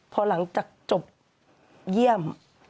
พอหลังจากจบเยี่ยม